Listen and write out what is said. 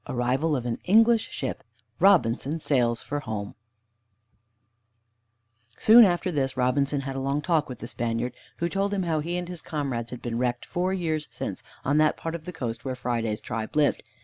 VII ARRIVAL OF AN ENGLISH SHIP; ROBINSON SAILS FOR HOME Soon after this Robinson had a long talk with the Spaniard, who told him how he and his comrades had been wrecked four years since, on that part of the coast where Friday's tribe lived.